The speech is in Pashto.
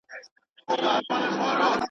تاسي یې وګوری مېلمه دی که شیطان راغلی.